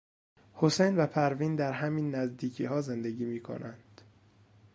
حسین و پروین در همین نزدیکیها زندگی میکنند.